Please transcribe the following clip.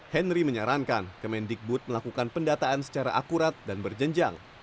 henry menyarankan kemendikbud melakukan pendataan secara akurat dan berjenjang